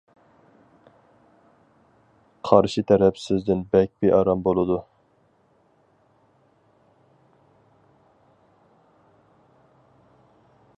قارشى تەرەپ سىزدىن بەك بىئارام بولىدۇ.